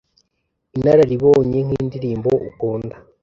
inararibonye nkindirimbo ukunda